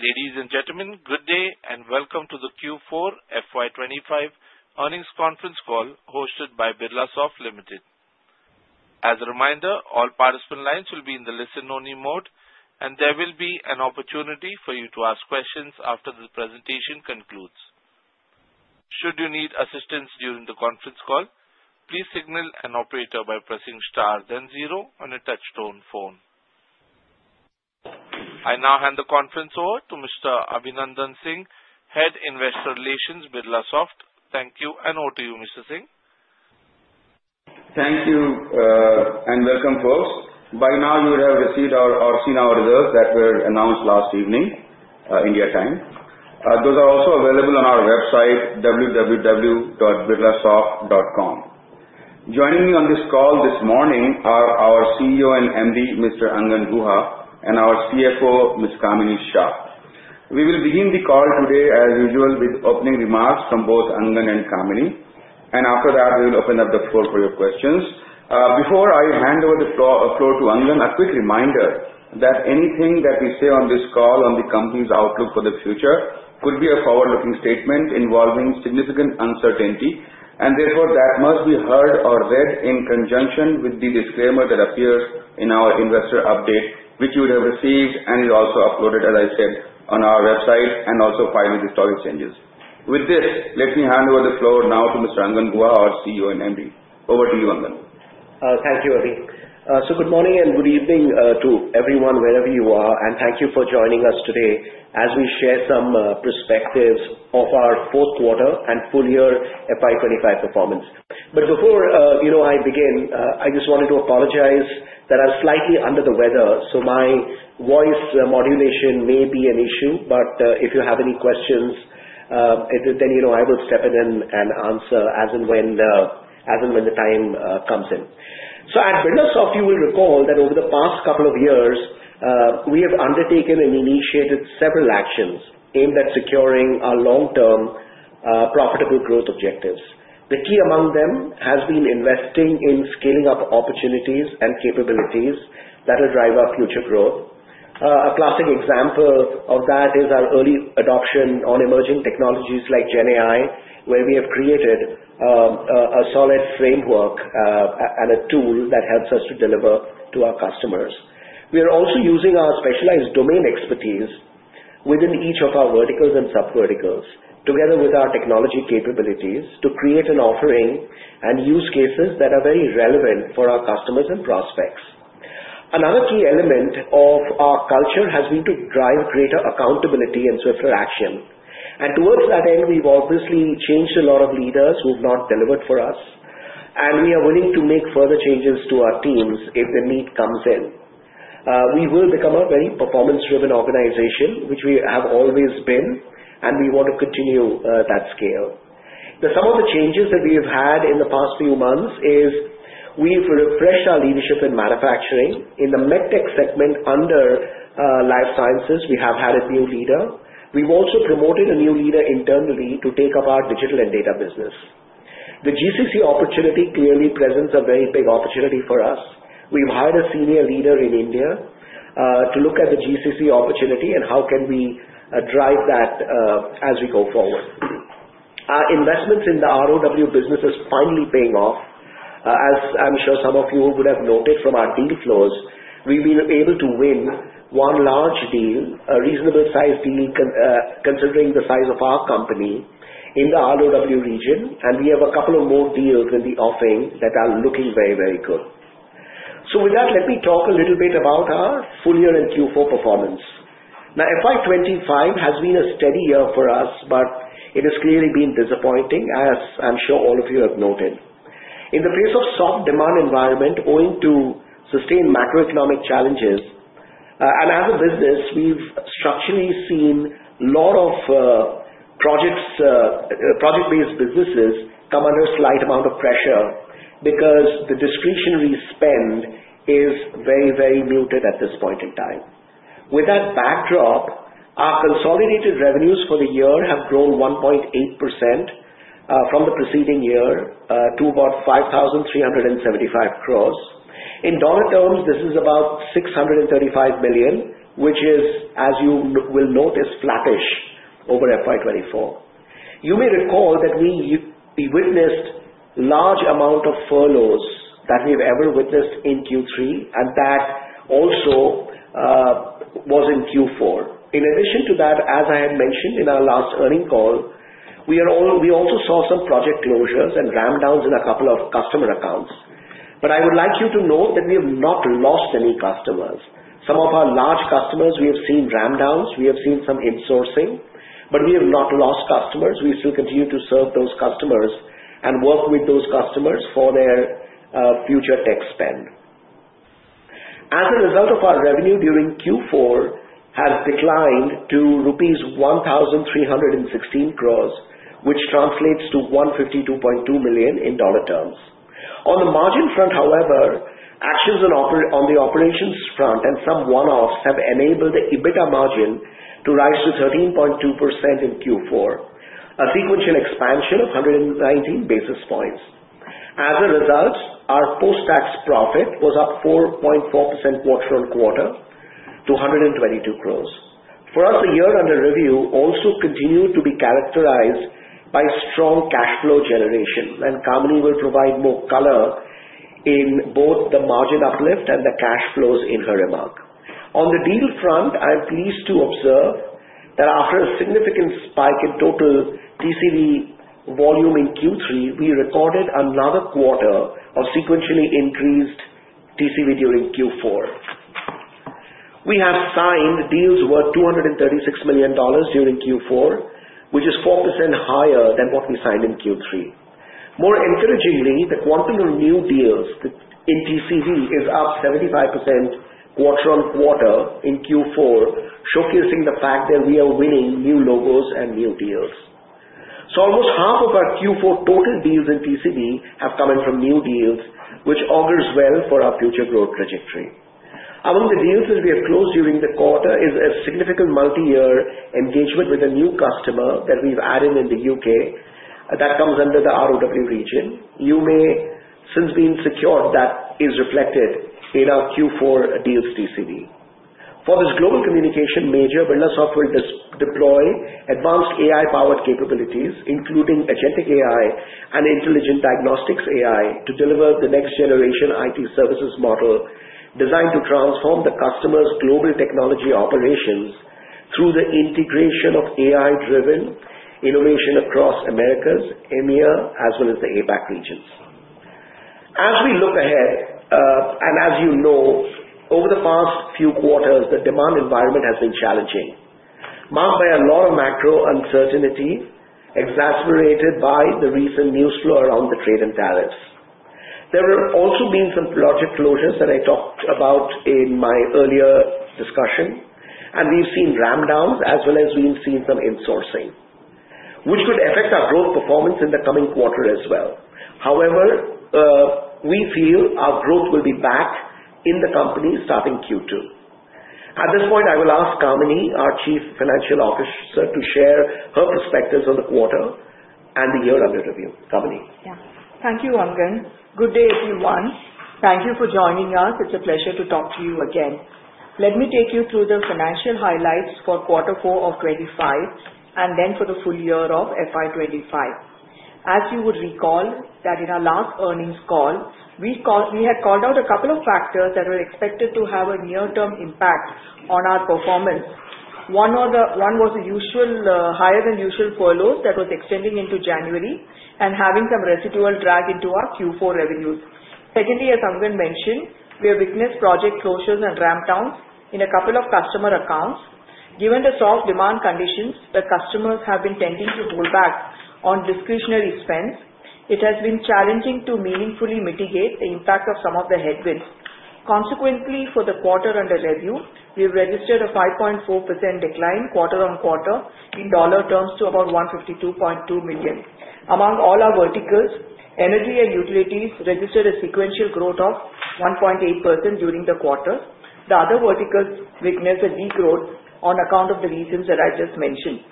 Ladies and gentlemen, good day and welcome to the Q4 FY25 Earnings Conference Call hosted by Birlasoft Limited. As a reminder, all participant lines will be in the listen-only mode, and there will be an opportunity for you to ask questions after the presentation concludes. Should you need assistance during the conference call, please signal an operator by pressing star then zero on a touch-tone phone. I now hand the conference over to Mr. Abhinandan Singh, Head Investor Relations, Birlasoft. Thank you, and over to you, Mr. Singh. Thank you and welcome, folks. By now, you would have received or seen our results that were announced last evening India time. Those are also available on our website, www.birlasoft.com. Joining me on this call this morning are our CEO and MD, Mr. Angan Guha, and our CFO, Ms. Kamini Shah. We will begin the call today, as usual, with opening remarks from both Angan and Kamini. After that, we will open up the floor for your questions. Before I hand over the floor to Angan, a quick reminder that anything that we say on this call on the company's outlook for the future could be a forward-looking statement involving significant uncertainty. Therefore, that must be heard or read in conjunction with the disclaimer that appears in our investor update, which you would have received and is also uploaded, as I said, on our website and also filed with historic changes. With this, let me hand over the floor now to Mr. Angan Guha, our CEO and MD. Over to you, Angan. Thank you, Abhi. Good morning and good evening to everyone, wherever you are. Thank you for joining us today as we share some perspectives of our fourth quarter and full year FY2025 performance. Before I begin, I just wanted to apologize that I am slightly under the weather. My voice modulation may be an issue. If you have any questions, I will step in and answer as and when the time comes in. At Birlasoft, you will recall that over the past couple of years, we have undertaken and initiated several actions aimed at securing our long-term profitable growth objectives. The key among them has been investing in scaling up opportunities and capabilities that will drive our future growth. A classic example of that is our early adoption on emerging technologies like GenAI, where we have created a solid framework and a tool that helps us to deliver to our customers. We are also using our specialized domain expertise within each of our verticals and sub-verticals, together with our technology capabilities, to create an offering and use cases that are very relevant for our customers and prospects. Another key element of our culture has been to drive greater accountability and swift action. Towards that end, we've obviously changed a lot of leaders who have not delivered for us. We are willing to make further changes to our teams if the need comes in. We will become a very performance-driven organization, which we have always been, and we want to continue that scale. Now, some of the changes that we have had in the past few months is we've refreshed our leadership in manufacturing. In the med tech segment under life sciences, we have had a new leader. We've also promoted a new leader internally to take up our digital and data business. The GCC opportunity clearly presents a very big opportunity for us. We've hired a senior leader in India to look at the GCC opportunity and how can we drive that as we go forward. Our investments in the ROW business are finally paying off. As I'm sure some of you would have noted from our deal flows, we've been able to win one large deal, a reasonable size deal considering the size of our company in the ROW region. We have a couple of more deals in the offering that are looking very, very good. With that, let me talk a little bit about our full year and Q4 performance. Now, FY25 has been a steady year for us, but it has clearly been disappointing, as I'm sure all of you have noted. In the face of a soft demand environment owing to sustained macroeconomic challenges, and as a business, we've structurally seen a lot of project-based businesses come under a slight amount of pressure because the discretionary spend is very, very muted at this point in time. With that backdrop, our consolidated revenues for the year have grown 1.8% from the preceding year to about 5,375 crore. In dollar terms, this is about $635 million, which is, as you will notice, flattish over FY2024. You may recall that we witnessed a large amount of furloughs that we've ever witnessed in Q3, and that also was in Q4. In addition to that, as I had mentioned in our last earnings call, we also saw some project closures and ram-downs in a couple of customer accounts. I would like you to note that we have not lost any customers. Some of our large customers, we have seen ram-downs. We have seen some insourcing. We have not lost customers. We still continue to serve those customers and work with those customers for their future tech spend. As a result, our revenue during Q4 has declined to rupees 1,316 crores, which translates to $152.2 million. On the margin front, however, actions on the operations front and some one-offs have enabled the EBITDA margin to rise to 13.2% in Q4, a sequential expansion of 119 basis points. As a result, our post-tax profit was up 4.4% quarter on quarter to 122 crores. For us, the year under review also continued to be characterized by strong cash flow generation. Kamini will provide more color in both the margin uplift and the cash flows in her remark. On the deal front, I am pleased to observe that after a significant spike in total TCV volume in Q3, we recorded another quarter of sequentially increased TCV during Q4. We have signed deals worth $236 million during Q4, which is 4% higher than what we signed in Q3. More encouragingly, the quantity of new deals in TCV is up 75% quarter on quarter in Q4, showcasing the fact that we are winning new logos and new deals. Almost half of our Q4 total deals in TCV have come in from new deals, which augurs well for our future growth trajectory. Among the deals that we have closed during the quarter is a significant multi-year engagement with a new customer that we've added in the U.K. that comes under the ROW region. You may, since being secured, that is reflected in our Q4 deals TCV. For this global communication major, Birlasoft will deploy advanced AI-powered capabilities, including Agentic AI and Intelligent Diagnostics AI, to deliver the next-generation IT services model designed to transform the customer's global technology operations through the integration of AI-driven innovation across Americas, EMEA, as well as the APAC regions. As we look ahead, and as you know, over the past few quarters, the demand environment has been challenging, marked by a lot of macro uncertainty exacerbated by the recent news flow around the trade and tariffs. There have also been some project closures that I talked about in my earlier discussion. We have seen ram-downs as well as some insourcing, which could affect our growth performance in the coming quarter as well. However, we feel our growth will be back in the company starting Q2. At this point, I will ask Kamini, our Chief Financial Officer, to share her perspectives on the quarter and the year under review. Kamini. Yeah. Thank you, Angan. Good day, everyone. Thank you for joining us. It's a pleasure to talk to you again. Let me take you through the financial highlights for Q4 of 2025 and then for the full year of FY2025. As you would recall, that in our last earnings call, we had called out a couple of factors that were expected to have a near-term impact on our performance. One was a higher-than-usual furloughs that was extending into January and having some residual drag into our Q4 revenues. Secondly, as Angan mentioned, we have witnessed project closures and ram-downs in a couple of customer accounts. Given the soft demand conditions, where customers have been tending to hold back on discretionary spend, it has been challenging to meaningfully mitigate the impact of some of the headwinds. Consequently, for the quarter under review, we have registered a 5.4% decline quarter on quarter in dollar terms to about $152.2 million. Among all our verticals, energy and utilities registered a sequential growth of 1.8% during the quarter. The other verticals witnessed a degrowth on account of the reasons that I just mentioned.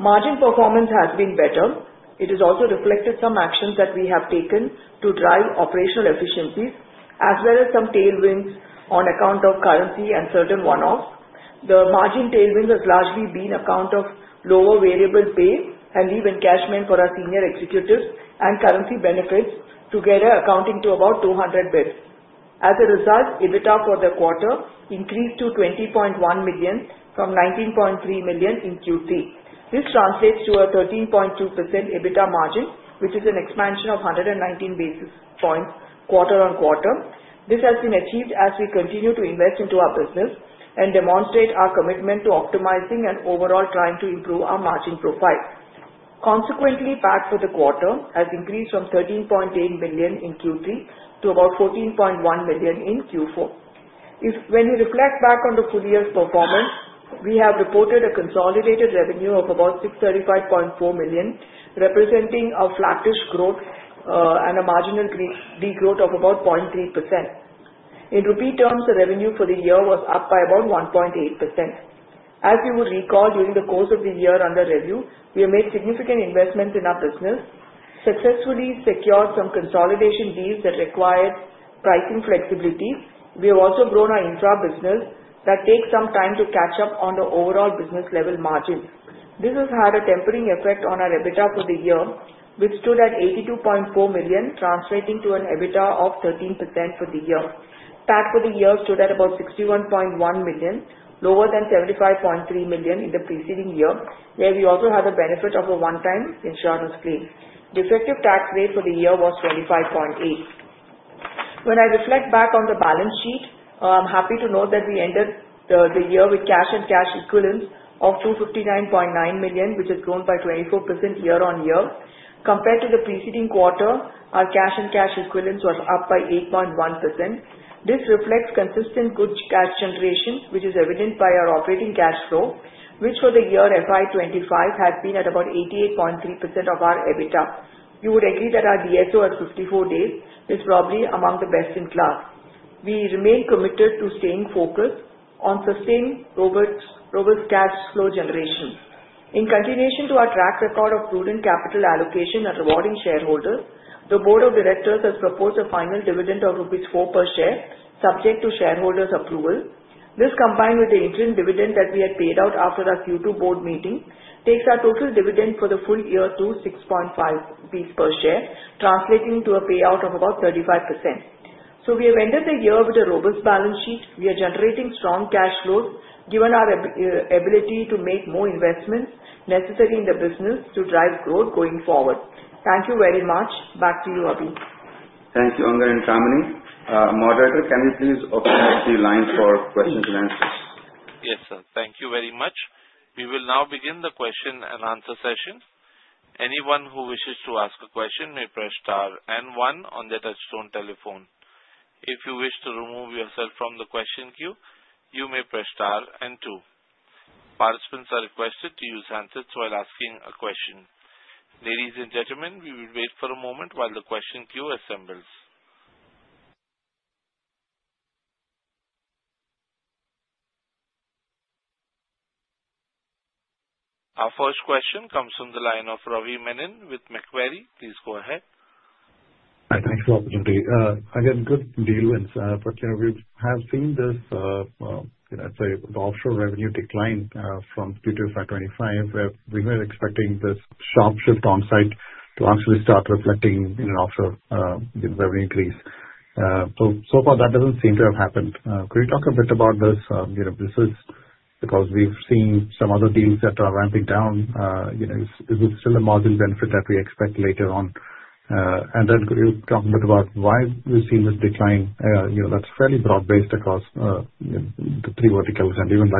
Margin performance has been better. It has also reflected some actions that we have taken to drive operational efficiencies, as well as some tailwinds on account of currency and certain one-offs. The margin tailwinds have largely been on account of lower variable pay and leave encashment for our senior executives and currency benefits, together accounting to about 200 basis points. As a result, EBITDA for the quarter increased to $20.1 million from $19.3 million in Q3. This translates to a 13.2% EBITDA margin, which is an expansion of 119 basis points quarter on quarter. This has been achieved as we continue to invest into our business and demonstrate our commitment to optimizing and overall trying to improve our margin profile. Consequently, PAT for the quarter has increased from $13.8 million in Q3 to about $14.1 million in Q4. When we reflect back on the full year's performance, we have reported a consolidated revenue of about $635.4 million, representing a flattish growth and a marginal degrowth of about 0.3%. In rupee terms, the revenue for the year was up by about 1.8%. As you would recall, during the course of the year under review, we have made significant investments in our business, successfully secured some consolidation deals that required pricing flexibility. We have also grown our intra-business that takes some time to catch up on the overall business-level margins. This has had a tempering effect on our EBITDA for the year, which stood at $82.4 million, translating to an EBITDA of 13% for the year. PAT for the year stood at about $61.1 million, lower than $75.3 million in the preceding year, where we also had the benefit of a one-time insurance claim. The effective tax rate for the year was 25.8%. When I reflect back on the balance sheet, I'm happy to note that we entered the year with cash and cash equivalents of $259.9 million, which has grown by 24% year on year. Compared to the preceding quarter, our cash and cash equivalents were up by 8.1%. This reflects consistent good cash generation, which is evident by our operating cash flow, which for the year FY2025 has been at about 88.3% of our EBITDA. You would agree that our DSO at 54 days is probably among the best in class. We remain committed to staying focused on sustained robust cash flow generation. In continuation to our track record of prudent capital allocation and rewarding shareholders, the Board of Directors has proposed a final dividend of 4 rupees per share, subject to shareholders' approval. This, combined with the interim dividend that we had paid out after our Q2 board meeting, takes our total dividend for the full year to 6.5 rupees per share, translating to a payout of about 35%. We have ended the year with a robust balance sheet. We are generating strong cash flows given our ability to make more investments necessary in the business to drive growth going forward. Thank you very much. Back to you, Abhinandan. Thank you, Angan and Kamini. Moderator, can you please open up the line for questions and answers? Yes, sir. Thank you very much. We will now begin the question and answer session. Anyone who wishes to ask a question may press star and one on the touchstone telephone. If you wish to remove yourself from the question queue, you may press star and two. Participants are requested to use handsets while asking a question. Ladies and gentlemen, we will wait for a moment while the question queue assembles. Our first question comes from the line of Ravi Menon with Macquarie. Please go ahead. Hi. Thank you for the opportunity. Again, good deal wins. We have seen this offshore revenue decline from Q2 to FY 2025, where we were expecting this sharp shift on site to actually start reflecting in an offshore revenue increase. So far, that does not seem to have happened. Could you talk a bit about this? This is because we have seen some other deals that are ramping down. Is it still a margin benefit that we expect later on? Could you talk a bit about why we have seen this decline? That is fairly broad-based across the three verticals and even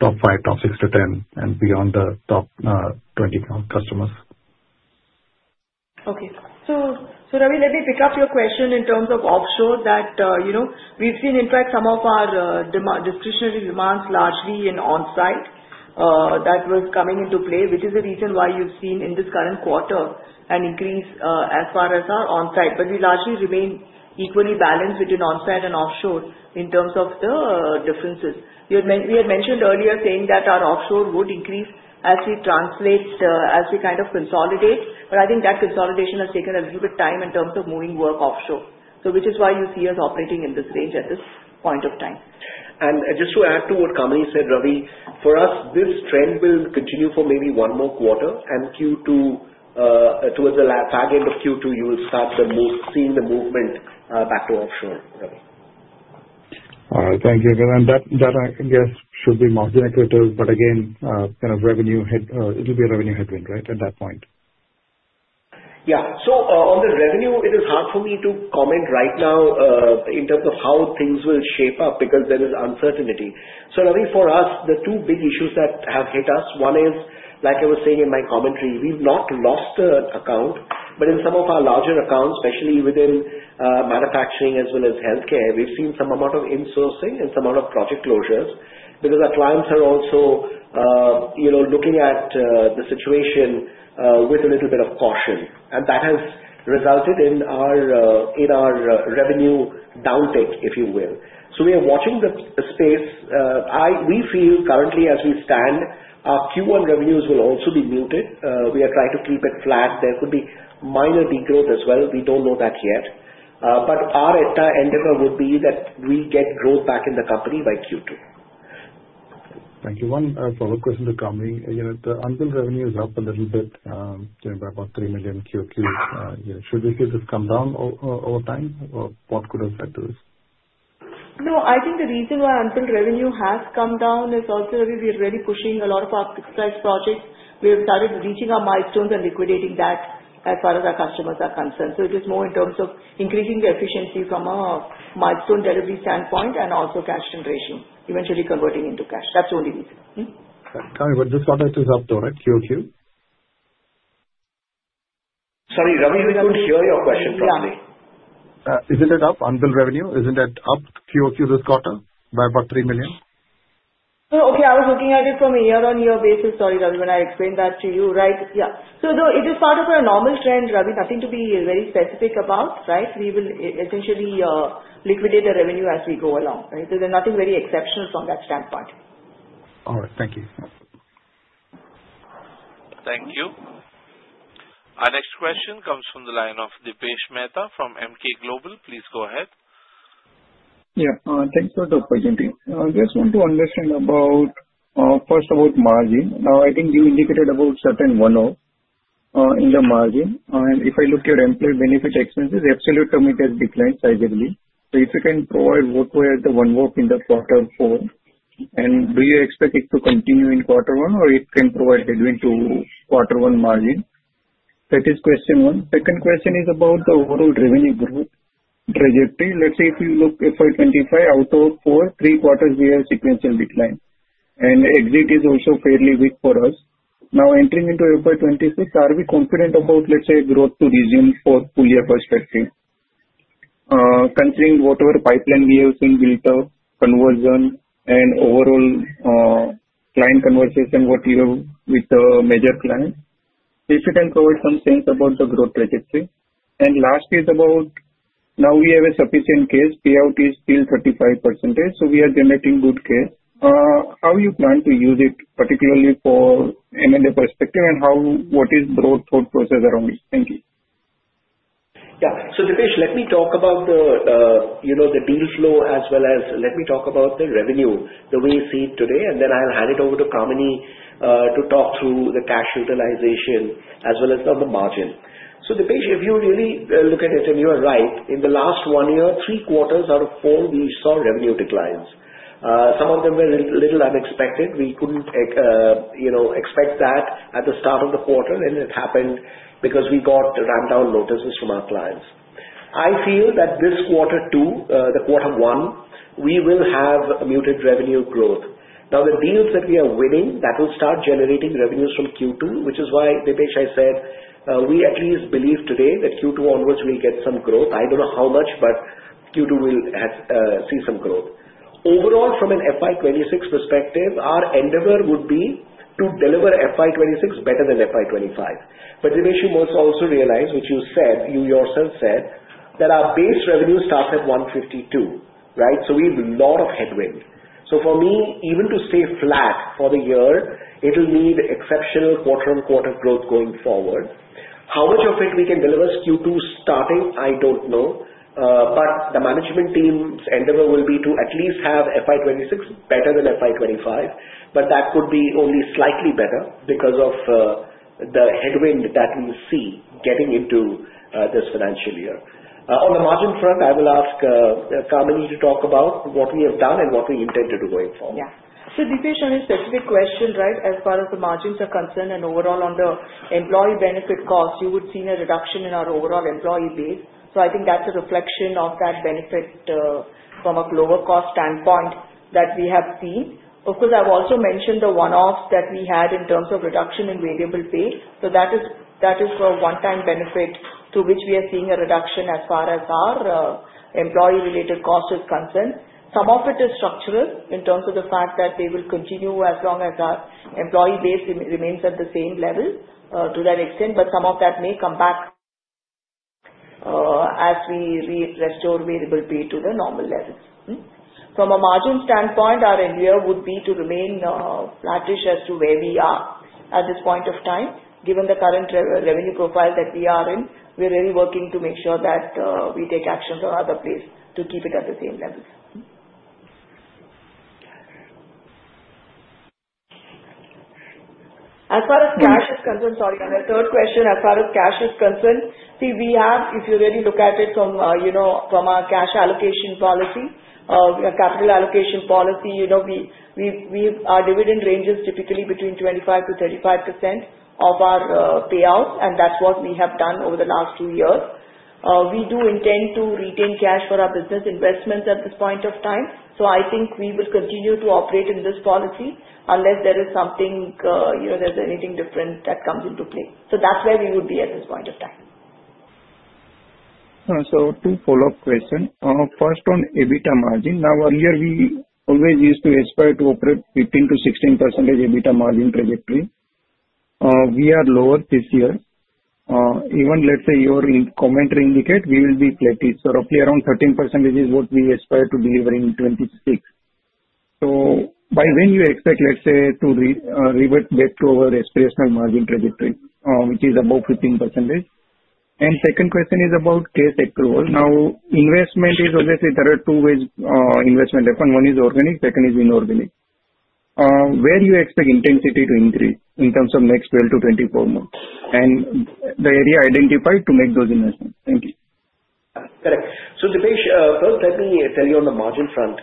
top five, top six to ten, and beyond the top 20 customers. Okay. So Ravi, let me pick up your question in terms of offshore that we've seen, in fact, some of our discretionary demands largely in onsite. That was coming into play, which is the reason why you've seen in this current quarter an increase as far as our onsite. We largely remain equally balanced between onsite and offshore in terms of the differences. We had mentioned earlier saying that our offshore would increase as we translate, as we kind of consolidate. I think that consolidation has taken a little bit of time in terms of moving work offshore, which is why you see us operating in this range at this point of time. Just to add to what Kamini said, Ravi, for us, this trend will continue for maybe one more quarter. Towards the back end of Q2, you will start seeing the movement back to offshore, Ravi. All right. Thank you. That, I guess, should be margin equitative. Again, kind of revenue hit, it will be a revenue headwind, right, at that point? Yeah. On the revenue, it is hard for me to comment right now in terms of how things will shape up because there is uncertainty. Ravi, for us, the two big issues that have hit us, one is, like I was saying in my commentary, we've not lost an account. In some of our larger accounts, especially within manufacturing as well as healthcare, we've seen some amount of insourcing and some amount of project closures because our clients are also looking at the situation with a little bit of caution. That has resulted in our revenue downtick, if you will. We are watching the space. We feel currently, as we stand, our Q1 revenues will also be muted. We are trying to keep it flat. There could be minor degrowth as well. We do not know that yet. Our end of our would be that we get growth back in the company by Q2. Thank you. One follow-up question to Kamini. The unbilled revenue is up a little bit by about $3 million QOQ. Should we see this come down over time? What could have led to this? No. I think the reason why unbilled revenue has come down is also, Ravi, we are really pushing a lot of our fixed price projects. We have started reaching our milestones and liquidating that as far as our customers are concerned. It is more in terms of increasing the efficiency from a milestone delivery standpoint and also cash generation, eventually converting into cash. That's the only reason. Kamini, but this quarter it is up, though, right? QOQ? Sorry, Ravi, we couldn't hear your question properly. Yeah. Isn't it up? Unbilled revenue, isn't it up QOQ this quarter by about $3 million? No. Okay. I was looking at it from a year-on-year basis. Sorry, Ravi, when I explained that to you, right? Yeah. It is part of a normal trend, Ravi, nothing to be very specific about, right? We will essentially liquidate the revenue as we go along, right? There is nothing very exceptional from that standpoint. All right. Thank you. Thank you. Our next question comes from the line of Dipesh Mehta from Emkay Global. Please go ahead. Yeah. Thanks for the opportunity. I just want to understand first about margin. Now, I think you indicated about certain one-off in the margin. If I look at your employee benefit expenses, absolute commit has declined slightly. If you can provide what were the one-off in the quarter four, and do you expect it to continue in quarter one, or it can provide headwind to quarter one margin? That is question one. Second question is about the overall revenue growth trajectory. Let's say if you look FY2025, out of four, three quarters, we have sequential decline. Exit is also fairly weak for us. Now, entering into FY2026, are we confident about, let's say, growth to resume for full year perspective? Considering whatever pipeline we have seen built, conversion, and overall client conversation, what you have with the major clients, if you can provide some sense about the growth trajectory. Last is about now we have a sufficient case. Payout is still 35%. We are generating good case. How do you plan to use it, particularly for M&A perspective, and what is broad thought process around it? Thank you. Yeah. So Dipesh, let me talk about the deal flow as well as let me talk about the revenue, the way you see it today. Then I'll hand it over to Kamini to talk through the cash utilization as well as the margin. So, Dipesh, if you really look at it, and you are right, in the last one year, three-quarters out of four, we saw revenue declines. Some of them were a little unexpected. We could not expect that at the start of the quarter, and it happened because we got ram-down notices from our clients. I feel that this quarter two, the quarter one, we will have muted revenue growth. Now, the deals that we are winning, that will start generating revenues from Q2, which is why, Dipesh, I said, we at least believe today that Q2 onwards we will get some growth. I don't know how much, but Q2 will see some growth. Overall, from an FY2026 perspective, our endeavor would be to deliver FY2026 better than FY2025. Dipesh, you must also realize, which you said, you yourself said, that our base revenue starts at $152, right? We have a lot of headwind. For me, even to stay flat for the year, it'll need exceptional quarter-on-quarter growth going forward. How much of it we can deliver Q2 starting, I don't know. The management team's endeavor will be to at least have FY2026 better than FY2025. That could be only slightly better because of the headwind that we see getting into this financial year. On the margin front, I will ask Kamini to talk about what we have done and what we intend to do going forward. Yeah. Dipesh, on a specific question, right, as far as the margins are concerned and overall on the employee benefit cost, you would see a reduction in our overall employee base. I think that's a reflection of that benefit from a lower-cost standpoint that we have seen. Of course, I've also mentioned the one-offs that we had in terms of reduction in variable pay. That is a one-time benefit to which we are seeing a reduction as far as our employee-related cost is concerned. Some of it is structural in terms of the fact that they will continue as long as our employee base remains at the same level to that extent. Some of that may come back as we restore variable pay to the normal levels. From a margin standpoint, our endeavor would be to remain flattish as to where we are at this point of time. Given the current revenue profile that we are in, we're really working to make sure that we take actions on other places to keep it at the same levels. As far as cash is concerned, sorry, on the third question, as far as cash is concerned, see, we have, if you really look at it from our cash allocation policy, capital allocation policy, our dividend ranges typically between 25%-35% of our payouts. And that's what we have done over the last two years. We do intend to retain cash for our business investments at this point of time. I think we will continue to operate in this policy unless there is something, if there's anything different that comes into play. That's where we would be at this point of time. Two follow-up questions. First, on EBITDA margin. Now, earlier, we always used to aspire to operate 15%-16% EBITDA margin trajectory. We are lower this year. Even, let's say, your commentary indicates we will be plateaued. Roughly around 13% is what we aspire to deliver in 2026. By when do you expect, let's say, to revert back to our aspirational margin trajectory, which is above 15%? Second question is about case approval. Now, investment is obviously there are two ways investment happens. One is organic. Second is inorganic. Where do you expect intensity to increase in terms of next 12-24 months? And the area identified to make those investments. Thank you. Correct. So Dipesh, first, let me tell you on the margin front.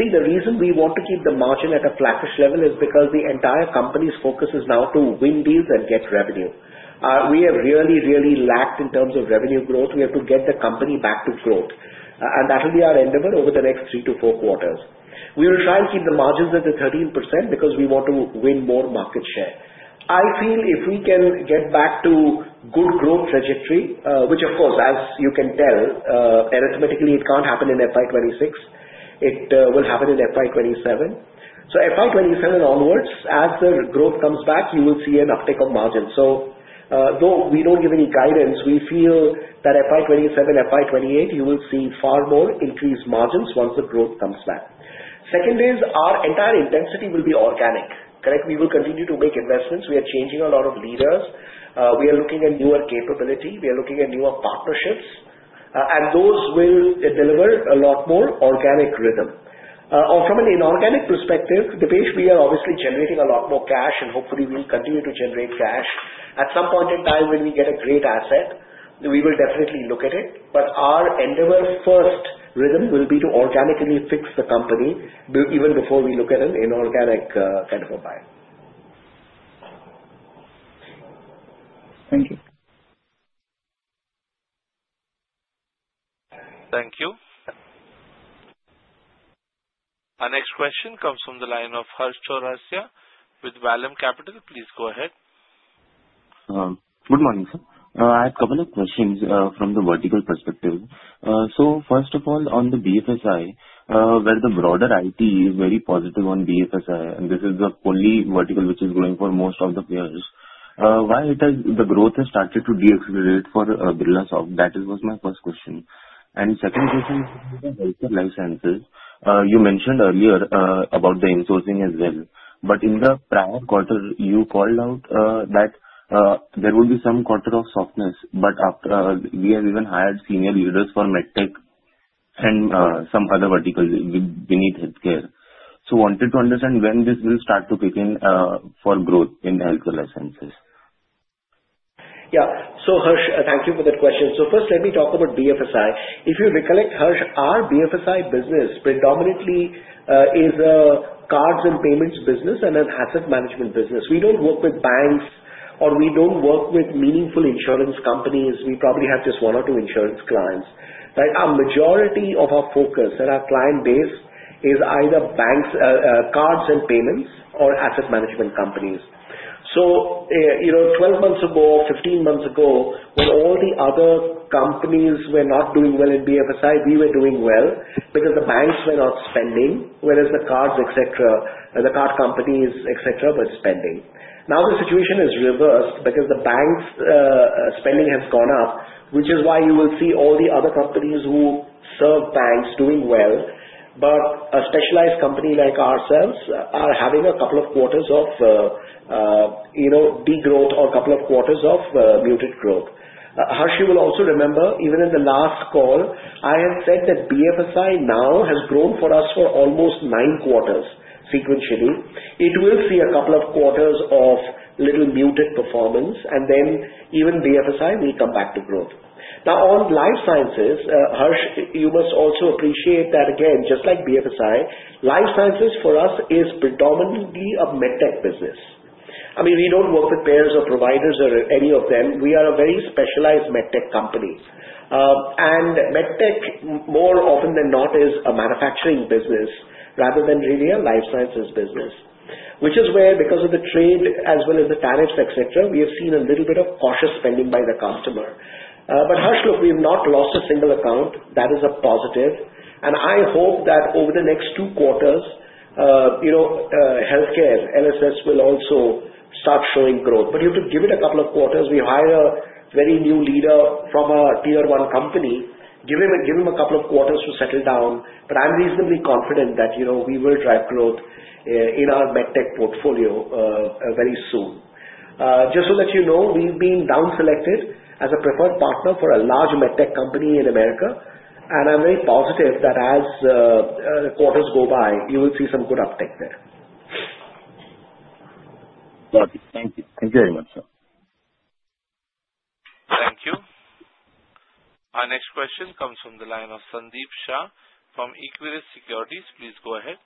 See, the reason we want to keep the margin at a flattish level is because the entire company's focus is now to win deals and get revenue. We have really, really lacked in terms of revenue growth. We have to get the company back to growth. That will be our endeavor over the next three to four quarters. We will try and keep the margins at the 13% because we want to win more market share. I feel if we can get back to good growth trajectory, which, of course, as you can tell, arithmetically, it cannot happen in FY2026. It will happen in FY2027. FY2027 onwards, as the growth comes back, you will see an uptick of margins. Though we do not give any guidance, we feel that in FY2027, FY2028, you will see far more increased margins once the growth comes back. Second is our entire intensity will be organic, correct? We will continue to make investments. We are changing a lot of leaders. We are looking at newer capability. We are looking at newer partnerships. Those will deliver a lot more organic rhythm. From an inorganic perspective, Dipesh, we are obviously generating a lot more cash, and hopefully, we will continue to generate cash. At some point in time, when we get a great asset, we will definitely look at it. Our endeavor, first rhythm, will be to organically fix the company even before we look at an inorganic kind of a buy. Thank you. Thank you. Our next question comes from the line of Harsh Chaurasia with Vallum Capital. Please go ahead. Good morning, sir. I have a couple of questions from the vertical perspective. First of all, on the BFSI, where the broader IT is very positive on BFSI, and this is the only vertical which is growing for most of the players. Why has the growth started to deaccelerate for Birlasoft? That was my first question. My second question is about the healthcare licenses. You mentioned earlier about the insourcing as well. In the prior quarter, you called out that there will be some quarter of softness. We have even hired senior leaders for MedTech and some other verticals beneath healthcare. I wanted to understand when this will start to kick in for growth in healthcare licenses. Yeah. Harsh, thank you for that question. First, let me talk about BFSI. If you recollect, Harsh, our BFSI business predominantly is a cards and payments business and an asset management business. We do not work with banks, or we do not work with meaningful insurance companies. We probably have just one or two insurance clients, right? The majority of our focus and our client base is either banks, cards and payments, or asset management companies. Twelve months ago, fifteen months ago, when all the other companies were not doing well in BFSI, we were doing well because the banks were not spending, whereas the cards, the card companies, etc., were spending. Now the situation is reversed because the banks' spending has gone up, which is why you will see all the other companies who serve banks doing well. A specialized company like ourselves is having a couple of quarters of degrowth or a couple of quarters of muted growth. Harsh, you will also remember, even in the last call, I had said that BFSI now has grown for us for almost nine quarters sequentially. It will see a couple of quarters of little muted performance, and then even BFSI will come back to growth. Now, on life sciences, Harsh, you must also appreciate that, again, just like BFSI, life sciences for us is predominantly a MedTech business. I mean, we do not work with payers or providers or any of them. We are a very specialized MedTech company. MedTech, more often than not, is a manufacturing business rather than really a life sciences business, which is where, because of the trade as well as the tariffs, etc., we have seen a little bit of cautious spending by the customer. Harsh, look, we have not lost a single account. That is a positive. I hope that over the next two quarters, healthcare LSS will also start showing growth. You have to give it a couple of quarters. We hired a very new leader from a tier-one company. Give him a couple of quarters to settle down. I'm reasonably confident that we will drive growth in our MedTech portfolio very soon. Just to let you know, we've been down-selected as a preferred partner for a large MedTech company in America. I'm very positive that as quarters go by, you will see some good uptake there. Got it. Thank you. Thank you very much, sir. Thank you. Our next question comes from the line of Sandeep Shah from Equiris Securities. Please go ahead.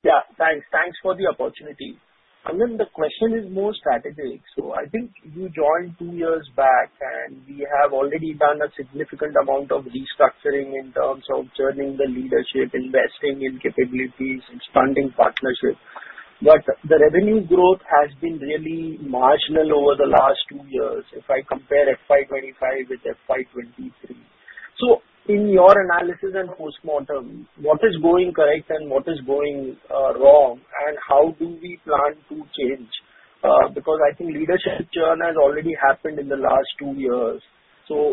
Yeah. Thanks. Thanks for the opportunity. I mean, the question is more strategic. I think you joined two years back, and we have already done a significant amount of restructuring in terms of turning the leadership, investing in capabilities, expanding partnerships. The revenue growth has been really marginal over the last two years if I compare FY 2025 with FY 2023. In your analysis and postmortem, what is going correct and what is going wrong, and how do we plan to change? I think leadership churn has already happened in the last two years.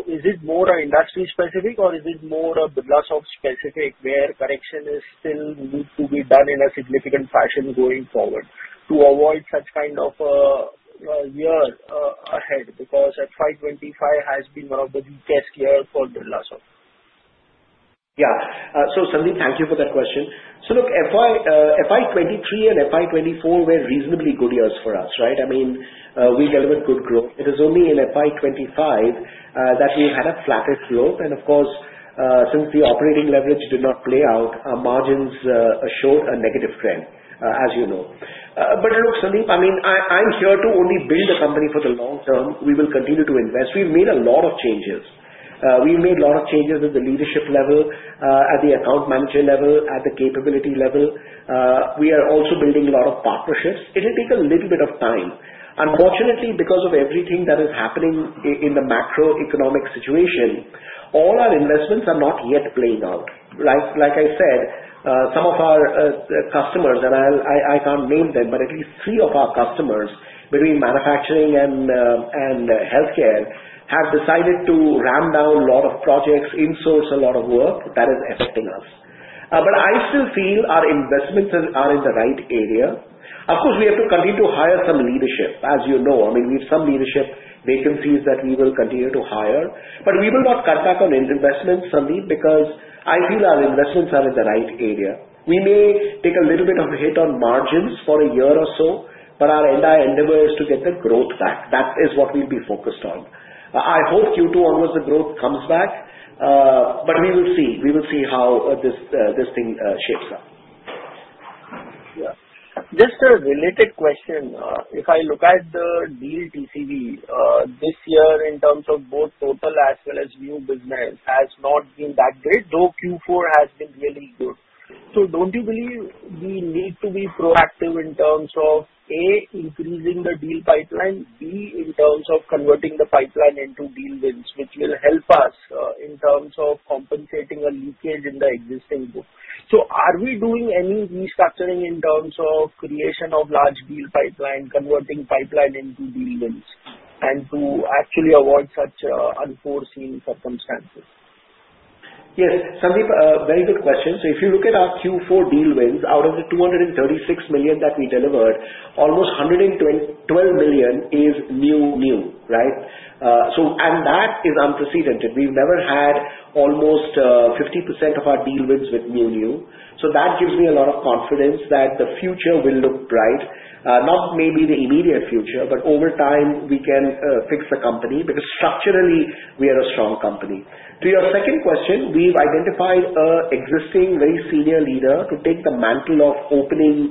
Is it more industry-specific, or is it more Birlasoft-specific where correction is still need to be done in a significant fashion going forward to avoid such kind of a year ahead? FY 2025 has been one of the weakest years for Birlasoft. Yeah. Sandeep, thank you for that question. Look, FY2023 and FY2024 were reasonably good years for us, right? I mean, we delivered good growth. It is only in FY2025 that we had a flattish growth. Of course, since the operating leverage did not play out, our margins showed a negative trend, as you know. Sandeep, I mean, I'm here to only build a company for the long term. We will continue to invest. We've made a lot of changes. We've made a lot of changes at the leadership level, at the account manager level, at the capability level. We are also building a lot of partnerships. It will take a little bit of time. Unfortunately, because of everything that is happening in the macroeconomic situation, all our investments are not yet playing out. Like I said, some of our customers, and I can't name them, but at least three of our customers between manufacturing and healthcare have decided to ram down a lot of projects, insource a lot of work that is affecting us. I still feel our investments are in the right area. Of course, we have to continue to hire some leadership, as you know. I mean, we have some leadership vacancies that we will continue to hire. We will not cut back on investments, Sandeep, because I feel our investments are in the right area. We may take a little bit of a hit on margins for a year or so, but our end-to-end endeavor is to get the growth back. That is what we'll be focused on. I hope Q2 onwards, the growth comes back. We will see. We will see how this thing shapes up. Just a related question. If I look at the deal TCV this year in terms of both total as well as new business, it has not been that great, though Q4 has been really good. Do not you believe we need to be proactive in terms of, A, increasing the deal pipeline, B, in terms of converting the pipeline into deal wins, which will help us in terms of compensating a leakage in the existing book? Are we doing any restructuring in terms of creation of large deal pipeline, converting pipeline into deal wins, and to actually avoid such unforeseen circumstances? Yes. Sandeep, very good question. If you look at our Q4 deal wins, out of the $236 million that we delivered, almost $112 million is new, new, right? That is unprecedented. We've never had almost 50% of our deal wins with new, new. That gives me a lot of confidence that the future will look bright. Not maybe the immediate future, but over time, we can fix the company because structurally, we are a strong company. To your second question, we've identified an existing very senior leader to take the mantle of opening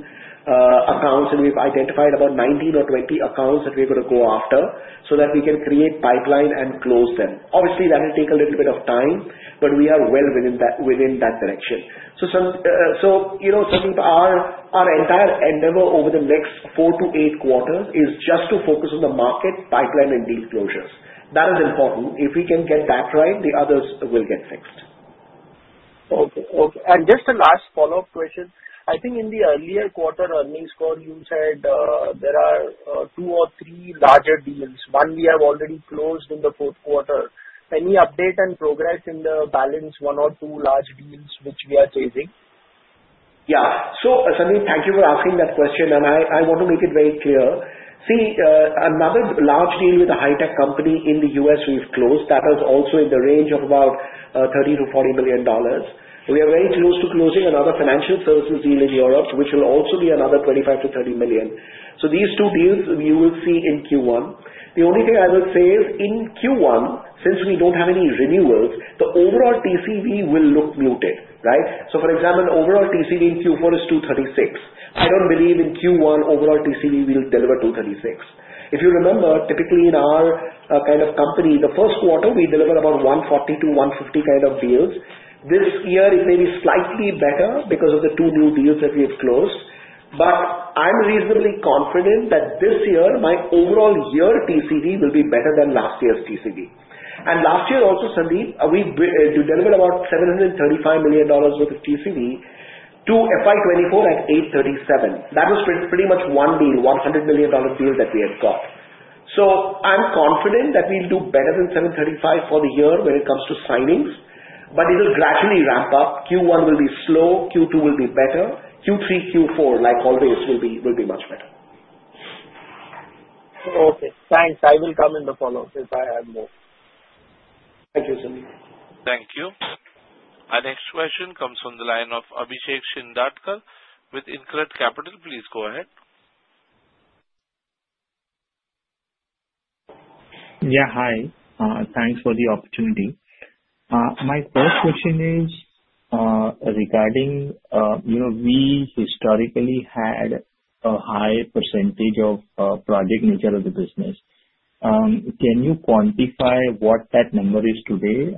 accounts. We've identified about 19 or 20 accounts that we're going to go after so that we can create pipeline and close them. Obviously, that will take a little bit of time, but we are well within that direction. Sandeep, our entire endeavor over the next four to eight quarters is just to focus on the market pipeline and deal closures. That is important. If we can get that right, the others will get fixed. Okay. Okay. Just a last follow-up question. I think in the earlier quarter earnings call, you said there are two or three larger deals. One we have already closed in the fourth quarter. Any update and progress in the balance one or two large deals which we are chasing? Yeah. Sandeep, thank you for asking that question. I want to make it very clear. See, another large deal with a high-tech company in the US we have closed. That is also in the range of about $30 million-$40 million. We are very close to closing another financial services deal in Europe, which will also be another $25 million-$30 million. These two deals, you will see in Q1. The only thing I will say is in Q1, since we do not have any renewals, the overall TCV will look muted, right? For example, overall TCV in Q4 is $236 million. I do not believe in Q1 overall TCV will deliver $236 million. If you remember, typically in our kind of company, the first quarter, we deliver about $140 million-$150 million kind of deals. This year, it may be slightly better because of the two new deals that we have closed. I am reasonably confident that this year, my overall year TCV will be better than last year's TCV. Last year also, Sandeep, we delivered about $735 million worth of TCV to FY2024 at $837 million. That was pretty much one deal, $100 million deal that we had got. I am confident that we will do better than $735 million for the year when it comes to signings. It will gradually ramp up. Q1 will be slow. Q2 will be better. Q3, Q4, like always, will be much better. Okay. Thanks. I will come in the follow-up if I have more. Thank you, Sandeep. Thank you. Our next question comes from the line of Abhishek Shindadkar with InCred Capital. Please go ahead. Yeah. Hi. Thanks for the opportunity. My first question is regarding we historically had a high percentage of project nature of the business. Can you quantify what that number is today?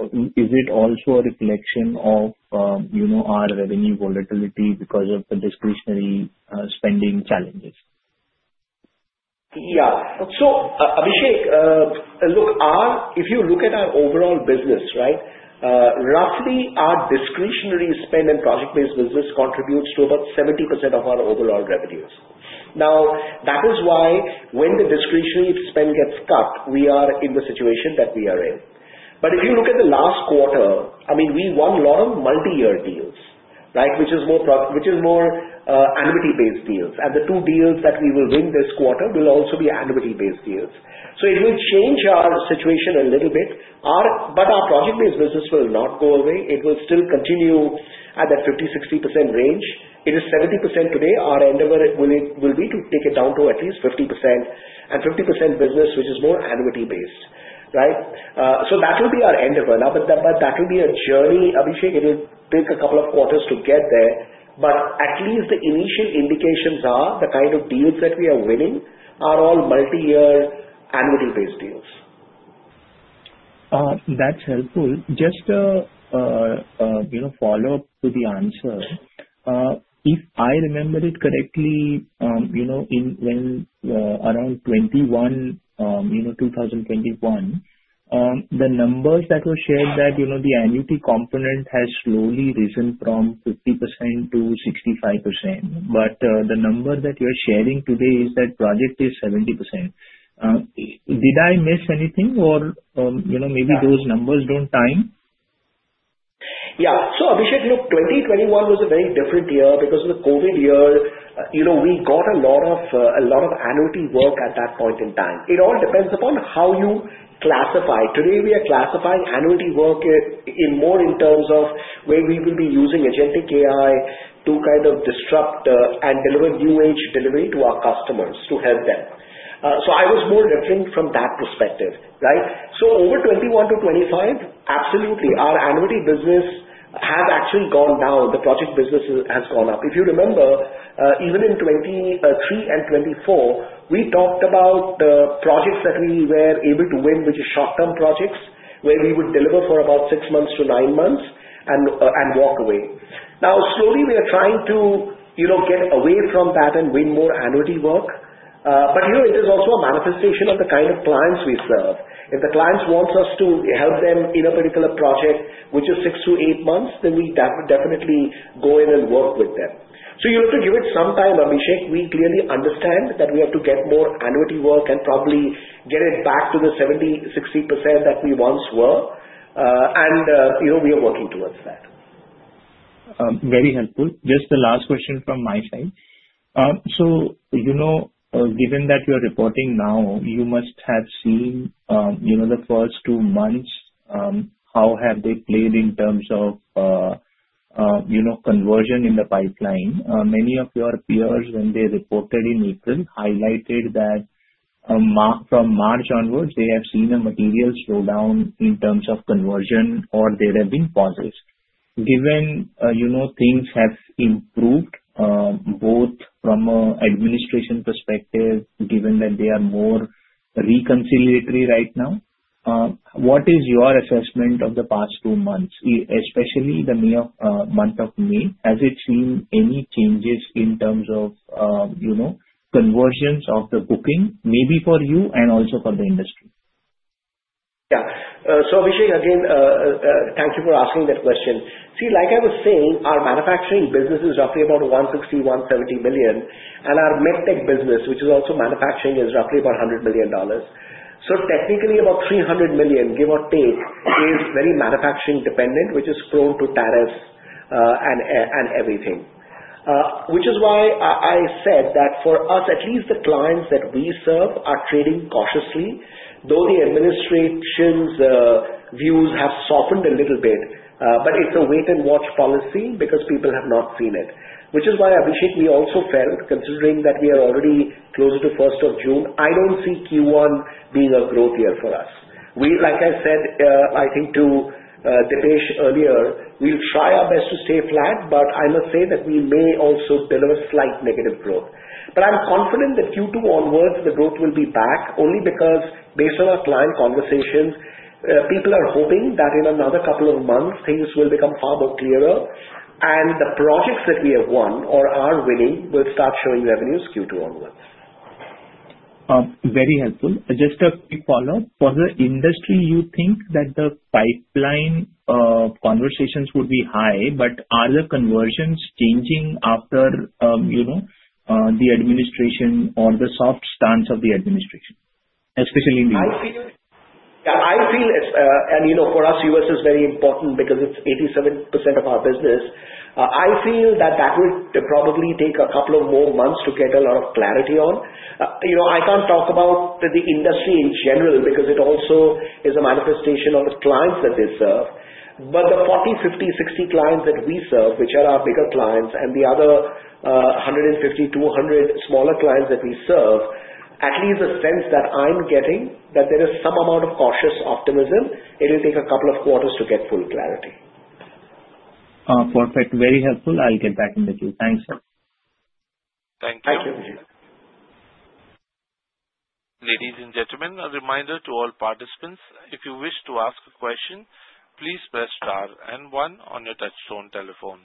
Is it also a reflection of our revenue volatility because of the discretionary spending challenges? Yeah. So Abhishek, look, if you look at our overall business, right, roughly our discretionary spend and project-based business contributes to about 70% of our overall revenues. Now, that is why when the discretionary spend gets cut, we are in the situation that we are in. If you look at the last quarter, I mean, we won a lot of multi-year deals, right, which is more annuity-based deals. The two deals that we will win this quarter will also be annuity-based deals. It will change our situation a little bit. Our project-based business will not go away. It will still continue at that 50-60% range. It is 70% today. Our endeavor will be to take it down to at least 50% and 50% business, which is more annuity-based, right? That will be our endeavor. That will be a journey, Abhishek. It will take a couple of quarters to get there. At least the initial indications are the kind of deals that we are winning are all multi-year annuity-based deals. That's helpful. Just a follow-up to the answer. If I remember it correctly, around 2021, the numbers that were shared that the annuity component has slowly risen from 50% to 65%. But the number that you are sharing today is that project is 70%. Did I miss anything, or maybe those numbers don't time? Yeah. So Abhishek, look, 2021 was a very different year because of the COVID year. We got a lot of annuity work at that point in time. It all depends upon how you classify. Today, we are classifying annuity work more in terms of where we will be using agentic AI to kind of disrupt and deliver new age delivery to our customers to help them. I was more different from that perspective, right? Over 2021 to 2025, absolutely, our annuity business has actually gone down. The project business has gone up. If you remember, even in 2023 and 2024, we talked about the projects that we were able to win, which are short-term projects where we would deliver for about six months to nine months and walk away. Now, slowly, we are trying to get away from that and win more annuity work. It is also a manifestation of the kind of clients we serve. If the clients want us to help them in a particular project, which is six to eight months, then we definitely go in and work with them. You have to give it some time, Abhishek. We clearly understand that we have to get more annuity work and probably get it back to the 70-60% that we once were. We are working towards that. Very helpful. Just the last question from my side. Given that you are reporting now, you must have seen the first two months. How have they played in terms of conversion in the pipeline? Many of your peers, when they reported in April, highlighted that from March onwards, they have seen a material slowdown in terms of conversion, or there have been pauses. Given things have improved both from an administration perspective, given that they are more reconciliatory right now, what is your assessment of the past two months, especially the month of May? Has it seen any changes in terms of conversions of the booking, maybe for you and also for the industry? Yeah. Abhishek, again, thank you for asking that question. See, like I was saying, our manufacturing business is roughly about $160 million-$170 million. And our medtech business, which is also manufacturing, is roughly about $100 million. Technically, about $300 million, give or take, is very manufacturing dependent, which is prone to tariffs and everything. Which is why I said that for us, at least the clients that we serve are trading cautiously, though the administration's views have softened a little bit. It is a wait-and-watch policy because people have not seen it. Which is why, Abhishek, we also felt, considering that we are already closer to 1st of June, I do not see Q1 being a growth year for us. Like I said, I think to Dipesh earlier, we will try our best to stay flat. I must say that we may also deliver slight negative growth. I'm confident that Q2 onwards, the growth will be back only because, based on our client conversations, people are hoping that in another couple of months, things will become far more clearer. The projects that we have won or are winning will start showing revenues Q2 onwards. Very helpful. Just a quick follow-up. For the industry, you think that the pipeline conversations would be high, but are the conversions changing after the administration or the soft stance of the administration, especially in the U.S.? Yeah. I feel for us, U.S. is very important because it's 87% of our business. I feel that that will probably take a couple of more months to get a lot of clarity on. I can't talk about the industry in general because it also is a manifestation of the clients that they serve. The 40-50-60 clients that we serve, which are our bigger clients, and the other 150-200 smaller clients that we serve, at least the sense that I'm getting is that there is some amount of cautious optimism, it will take a couple of quarters to get full clarity. Perfect. Very helpful. I'll get back in touch with you. Thanks. Thank you. Thank you, Abhishek. Ladies and gentlemen, a reminder to all participants. If you wish to ask a question, please press star and one on your touchstone telephone.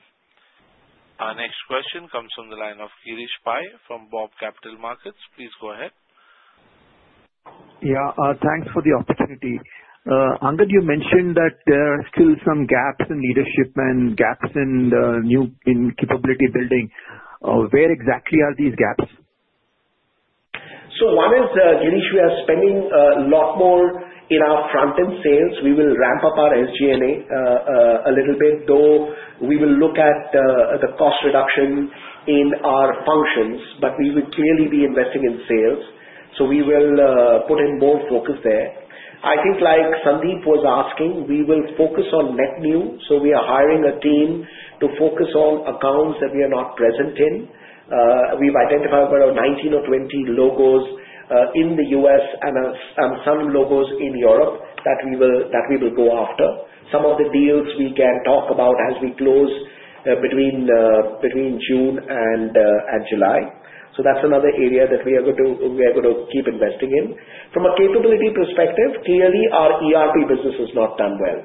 Our next question comes from the line of Girish Pai from Bob Capital Markets. Please go ahead. Yeah. Thanks for the opportunity. Angan, you mentioned that there are still some gaps in leadership and gaps in capability building. Where exactly are these gaps? One is, Girish, we are spending a lot more in our front-end sales. We will ramp up our SG&A a little bit, though we will look at the cost reduction in our functions. We will clearly be investing in sales. We will put in more focus there. I think, like Sandeep was asking, we will focus on net new. We are hiring a team to focus on accounts that we are not present in. We have identified about 19 or 20 logos in the US and some logos in Europe that we will go after. Some of the deals we can talk about as we close between June and July. That is another area that we are going to keep investing in. From a capability perspective, clearly, our ERP business has not done well.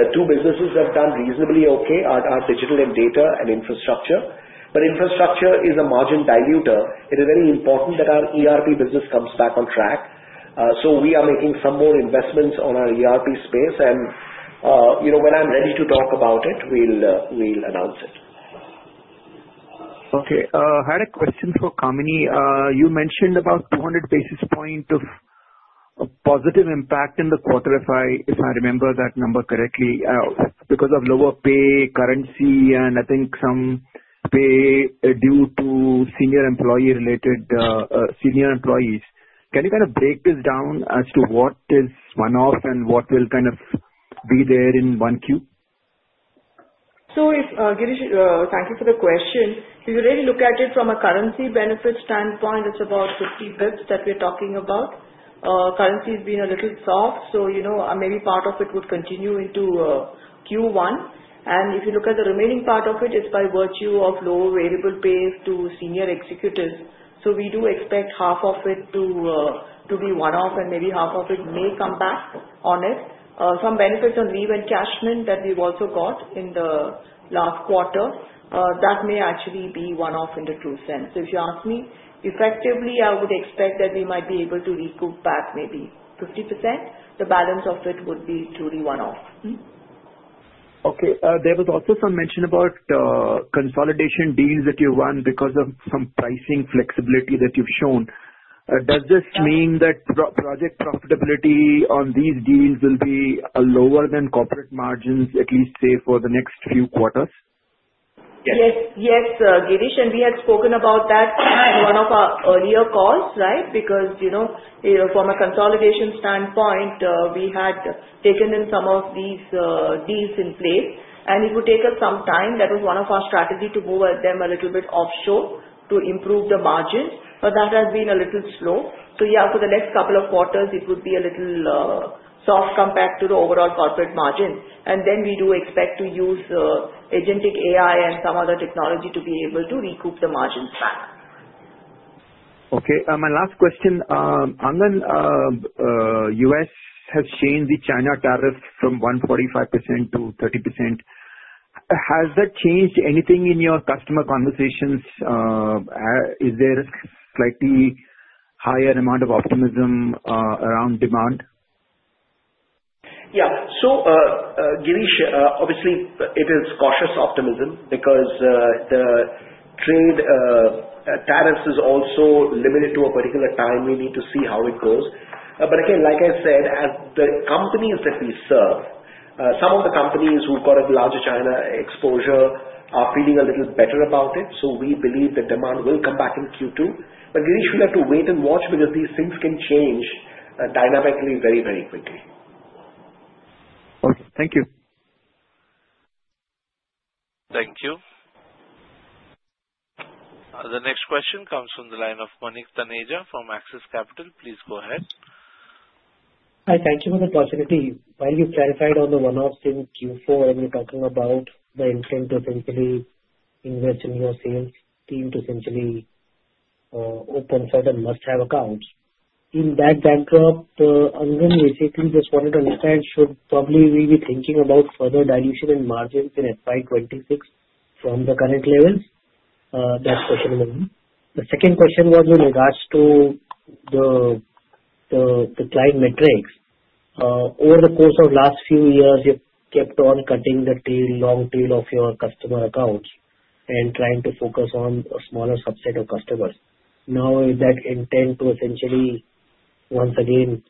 The two businesses have done reasonably okay, our digital and data and infrastructure. Infrastructure is a margin diluter. It is very important that our ERP business comes back on track. We are making some more investments on our ERP space. When I'm ready to talk about it, we'll announce it. Okay. I had a question for Kamini. You mentioned about 200 basis points of positive impact in the quarter, if I remember that number correctly, because of lower pay, currency, and I think some pay due to senior employee-related senior employees. Can you kind of break this down as to what is one-off and what will kind of be there in one Q? Thank you for the question. If you really look at it from a currency benefit standpoint, it's about 50 basis points that we're talking about. Currency has been a little soft. Maybe part of it would continue into Q1. If you look at the remaining part of it, it's by virtue of low variable pay to senior executives. We do expect half of it to be one-off, and maybe half of it may come back on it. Some benefits on leave encashment that we've also got in the last quarter, that may actually be one-off in the true sense. If you ask me, effectively, I would expect that we might be able to recoup back maybe 50%. The balance of it would be truly one-off. Okay. There was also some mention about consolidation deals that you won because of some pricing flexibility that you've shown. Does this mean that project profitability on these deals will be lower than corporate margins, at least say for the next few quarters? Yes. Yes. Yes. Girish, and we had spoken about that in one of our earlier calls, right? Because from a consolidation standpoint, we had taken in some of these deals in place. It would take us some time. That was one of our strategies to move them a little bit offshore to improve the margins. That has been a little slow. Yeah, for the next couple of quarters, it would be a little soft compared to the overall corporate margins. We do expect to use Agentic AI and some other technology to be able to recoup the margins back. Okay. My last question. Angan, US has changed the China tariff from 145% to 30%. Has that changed anything in your customer conversations? Is there a slightly higher amount of optimism around demand? Yeah. Girish, obviously, it is cautious optimism because the trade tariffs are also limited to a particular time. We need to see how it goes. Again, like I said, the companies that we serve, some of the companies who have got a larger China exposure are feeling a little better about it. We believe that demand will come back in Q2. Girish, we have to wait and watch because these things can change dynamically very, very quickly. Okay. Thank you. Thank you. The next question comes from the line of Manik Tanejan from Axis Capital. Please go ahead. Hi. Thank you for the opportunity. While you clarified on the one-offs in Q4, you're talking about the intent to essentially invest in your sales team to essentially open certain must-have accounts. In that backdrop, Angan, basically just wanted to understand, should probably we be thinking about further dilution in margins in FY 2026 from the current levels? That's question one. The second question was in regards to the client metrics. Over the course of the last few years, you kept on cutting the long tail of your customer accounts and trying to focus on a smaller subset of customers. Now, with that intent to essentially once again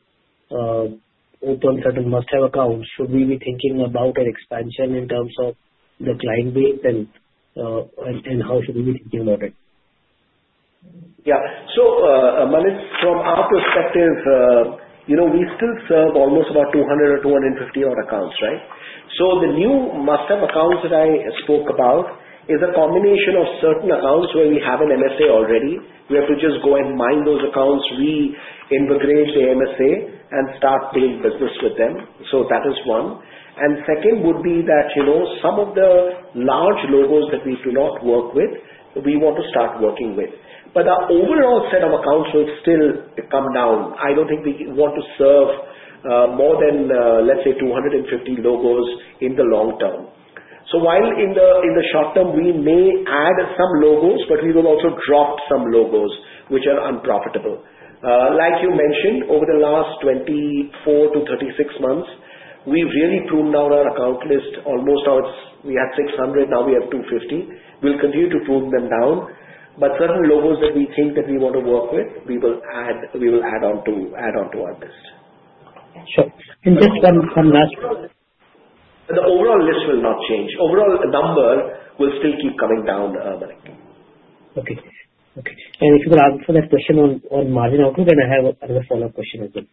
open certain must-have accounts, should we be thinking about an expansion in terms of the client base? And how should we be thinking about it? Yeah. Manik, from our perspective, we still serve almost about 200 or 250-odd accounts, right? The new must-have accounts that I spoke about is a combination of certain accounts where we have an MSA already. We have to just go and mine those accounts. We integrate the MSA and start doing business with them. That is one. Second would be that some of the large logos that we do not work with, we want to start working with. The overall set of accounts will still come down. I do not think we want to serve more than, let's say, 250 logos in the long term. While in the short term, we may add some logos, we will also drop some logos which are unprofitable. Like you mentioned, over the last 24-36 months, we have really pruned down our account list. Almost we had 600. Now we have 250. We will continue to prune them down. Certain logos that we think that we want to work with, we will add onto our list. Sure. Just one last. The overall list will not change. Overall number will still keep coming down, Manik. Okay. Okay. If you could ask for that question on margin outlook, I have another follow-up question as well.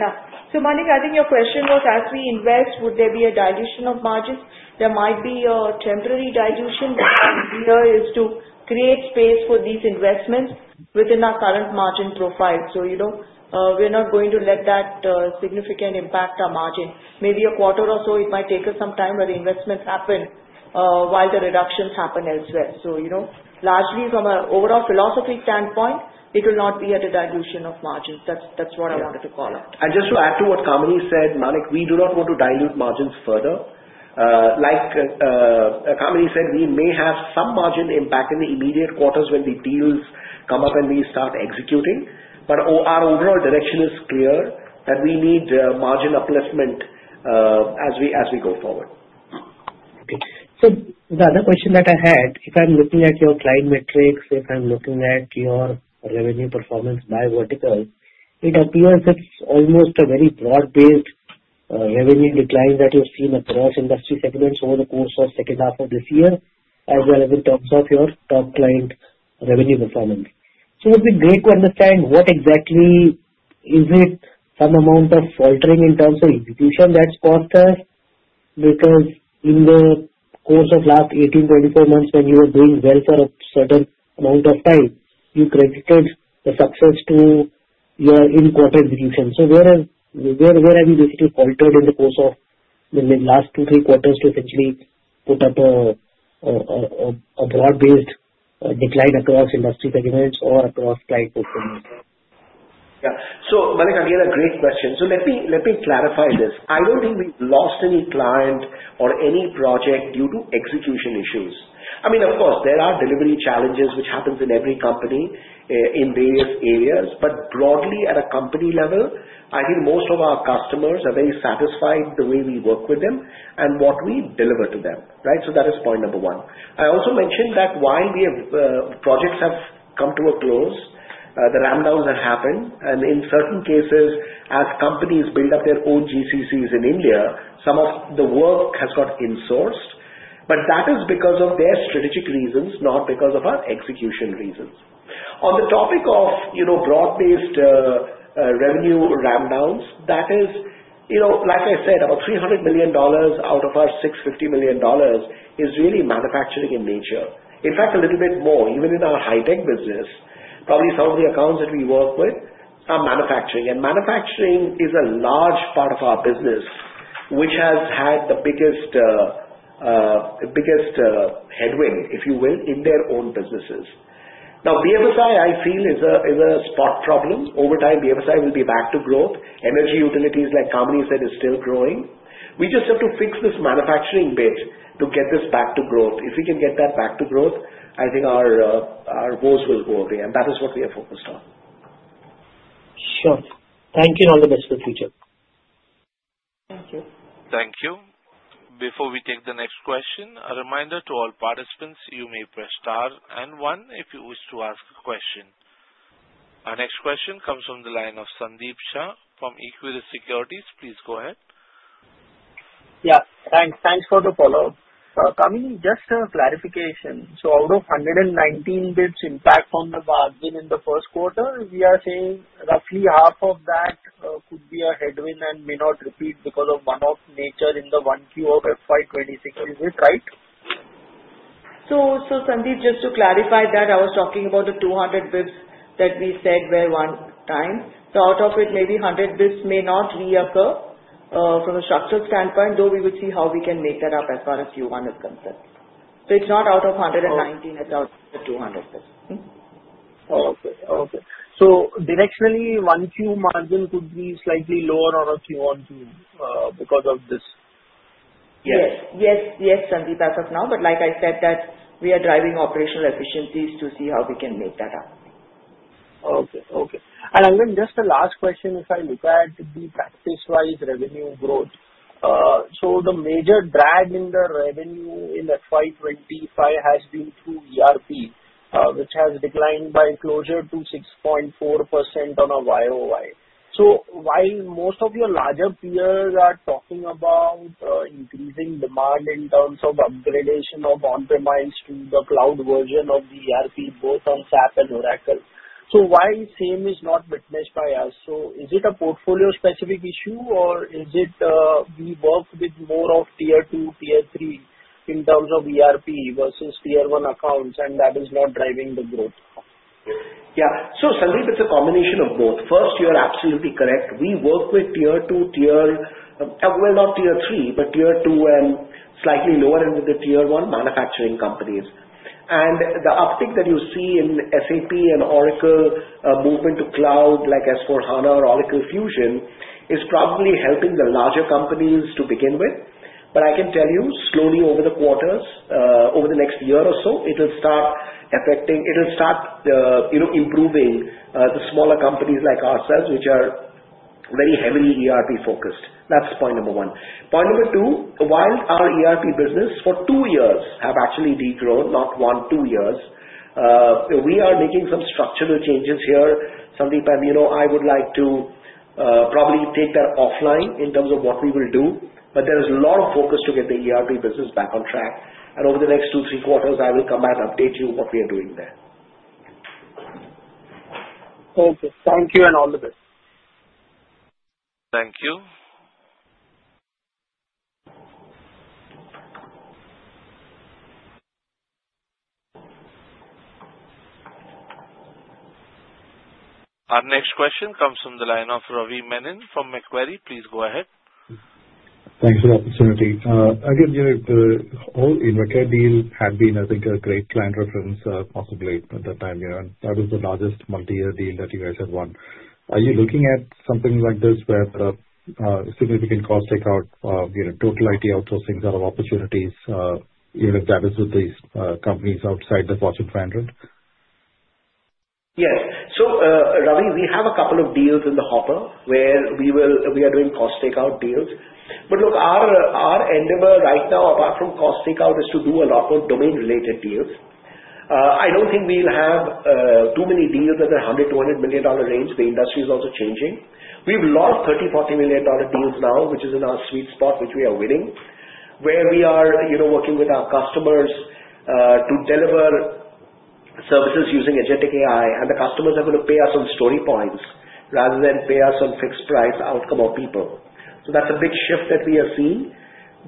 Yeah. Manik, I think your question was, as we invest, would there be a dilution of margins? There might be a temporary dilution. What we do here is to create space for these investments within our current margin profile. We are not going to let that significantly impact our margin. Maybe a quarter or so, it might take us some time where the investments happen while the reductions happen elsewhere. Largely from an overall philosophy standpoint, it will not be at a dilution of margins. That is what I wanted to call out. Just to add to what Kamini said, Manik, we do not want to dilute margins further. Like Kamini said, we may have some margin impact in the immediate quarters when the deals come up and we start executing. Our overall direction is clear, and we need margin upliftment as we go forward. Okay. The other question that I had, if I'm looking at your client metrics, if I'm looking at your revenue performance by vertical, it appears it's almost a very broad-based revenue decline that you've seen across industry segments over the course of the second half of this year, as well as in terms of your top client revenue performance. It would be great to understand what exactly is it, some amount of faltering in terms of execution that's caused that? Because in the course of the last 18-24 months, when you were doing well for a certain amount of time, you credited the success to your in-quarter execution. Where have you basically faltered in the course of the last two-three quarters to essentially put up a broad-based decline across industry segments or across client performance? Yeah. Manik, again, a great question. Let me clarify this. I do not think we have lost any client or any project due to execution issues. I mean, of course, there are delivery challenges, which happen in every company in various areas. Broadly, at a company level, I think most of our customers are very satisfied with the way we work with them and what we deliver to them, right? That is point number one. I also mentioned that while projects have come to a close, the rundowns have happened. In certain cases, as companies build up their own GCCs in India, some of the work has got insourced. That is because of their strategic reasons, not because of our execution reasons. On the topic of broad-based revenue rundowns, that is, like I said, about $300 million out of our $650 million is really manufacturing in nature. In fact, a little bit more, even in our high-tech business, probably some of the accounts that we work with are manufacturing. And manufacturing is a large part of our business, which has had the biggest headwind, if you will, in their own businesses. Now, BFSI, I feel, is a spot problem. Over time, BFSI will be back to growth. Energy utilities, like Kamini said, are still growing. We just have to fix this manufacturing bit to get this back to growth. If we can get that back to growth, I think our voice will go away. That is what we are focused on. Sure. Thank you. All the best for the future. Thank you. Thank you. Before we take the next question, a reminder to all participants, you may press star and one if you wish to ask a question. Our next question comes from the line of Sandeep Shah from Equirus Securities. Please go ahead. Yeah. Thanks. Thanks for the follow-up. Kamini, just a clarification. So out of 119 basis points impacted on the margin in the first quarter, we are saying roughly half of that could be a headwind and may not repeat because of one-off nature in the Q1 of FY 2026. Is it right? Sandeep, just to clarify that, I was talking about the 200 bids that we said were one time. Out of it, maybe 100 bids may not reoccur from a structural standpoint, though we would see how we can make that up as far as Q1 is concerned. It is not out of 119, it is out of the 200 bids. Okay. Okay. So directionally, one Q margin could be slightly lower on a Q1 because of this. Yes. Yes. Yes. Yes, Sandeep, as of now. Like I said, we are driving operational efficiencies to see how we can make that up. Okay. Okay. And Angan, just a last question. If I look at the practice-wise revenue growth, the major drag in the revenue in FY 2025 has been through ERP, which has declined by closer to 6.4% on a YOY. While most of your larger peers are talking about increasing demand in terms of upgradation of on-premise to the cloud version of the ERP, both on SAP and Oracle, why is the same not witnessed by us? Is it a portfolio-specific issue, or is it we work with more of tier two, tier three in terms of ERP versus tier one accounts, and that is not driving the growth? Yeah. Sandeep, it's a combination of both. First, you're absolutely correct. We work with tier two, tier, well, not tier three, but tier two and slightly lower than the tier one manufacturing companies. The uptick that you see in SAP and Oracle moving to cloud like S/4HANA or Oracle Fusion is probably helping the larger companies to begin with. I can tell you, slowly over the quarters, over the next year or so, it will start affecting, it will start improving the smaller companies like ourselves, which are very heavily ERP-focused. That's point number one. Point number two, while our ERP business for two years has actually degrown, not one, two years, we are making some structural changes here. Sandeep, I would like to probably take that offline in terms of what we will do. There is a lot of focus to get the ERP business back on track. Over the next two, three quarters, I will come back and update you what we are doing there. Okay. Thank you. All the best. Thank you. Our next question comes from the line of Ravi Menon from Macquarie. Please go ahead. Thanks for the opportunity. Again, the whole Invercar deal had been, I think, a great client reference possibly at that time. That was the largest multi-year deal that you guys had won. Are you looking at something like this where the significant cost takeout, total IT outsourcing kind of opportunities, even if that is with these companies outside the Fortune 500? Yes. So Ravi, we have a couple of deals in the hopper where we are doing cost takeout deals. Look, our endeavor right now, apart from cost takeout, is to do a lot of domain-related deals. I do not think we will have too many deals in the $100 million-$100 million range. The industry is also changing. We have lost $30 million-$40 million deals now, which is in our sweet spot, which we are winning, where we are working with our customers to deliver services using Agentic AI. The customers are going to pay us on story points rather than pay us on fixed price outcome of people. That is a big shift that we are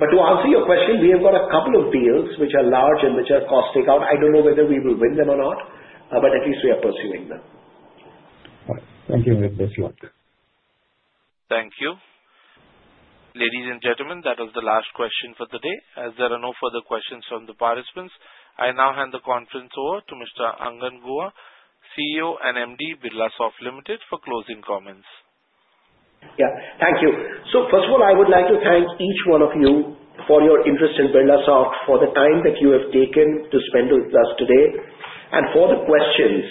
seeing. To answer your question, we have got a couple of deals which are large and which are cost takeout. I don't know whether we will win them or not, but at least we are pursuing them. All right. Thank you. With this one. Thank you. Ladies and gentlemen, that was the last question for the day. As there are no further questions from the participants, I now hand the conference over to Mr. Angan Guha, CEO and MD, Birlasoft Limited, for closing comments. Yeah. Thank you. First of all, I would like to thank each one of you for your interest in Birlasoft, for the time that you have taken to spend with us today, and for the questions,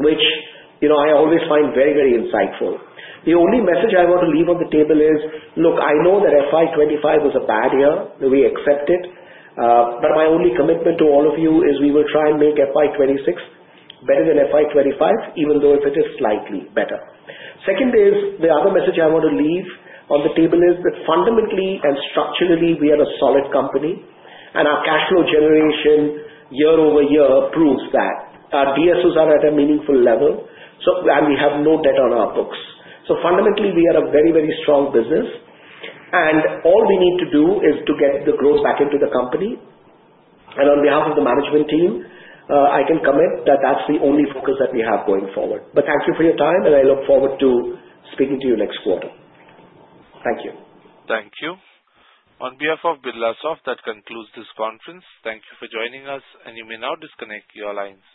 which I always find very, very insightful. The only message I want to leave on the table is, look, I know that FY 2025 was a bad year. We accept it. My only commitment to all of you is we will try and make FY 2026 better than FY 2025, even if it is slightly better. The other message I want to leave on the table is that fundamentally and structurally, we are a solid company. Our cash flow generation year over year proves that. Our DSOs are at a meaningful level. We have no debt on our books. Fundamentally, we are a very, very strong business. All we need to do is to get the growth back into the company. On behalf of the management team, I can commit that that is the only focus that we have going forward. Thank you for your time. I look forward to speaking to you next quarter. Thank you. Thank you. On behalf of Birlasoft, that concludes this conference. Thank you for joining us. You may now disconnect your lines.